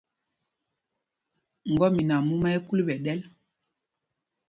Ŋgɔmina mumá ɛ́ ɛ́ kúl ɓɛ̌ ɗɛl.